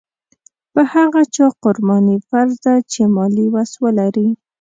په هغه چا قرباني فرض ده چې مالي وس ولري.